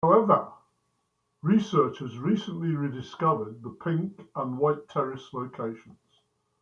However, researchers recently rediscovered the Pink and White Terrace locations.